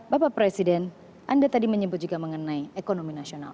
bapak presiden anda tadi menyebut juga mengenai ekonomi nasional